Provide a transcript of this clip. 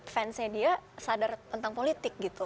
fansnya dia sadar tentang politik gitu